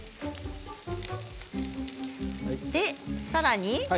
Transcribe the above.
さらに。